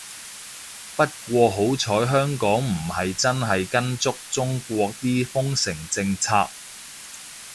不過好彩香港唔係真係跟足中國啲封城政策